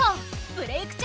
「ブレイクッ！